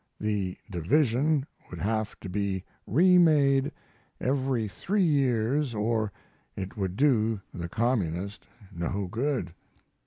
The division would have to be remade every three years or it would do the communist no good."